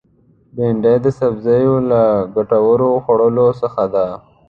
بېنډۍ د سبزیو له ګټورو خوړو څخه ده